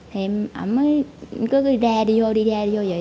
thì em mới cứ đi ra đi vô đi ra đi vô vậy